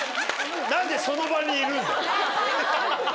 何でその場にいるんだよハハハ。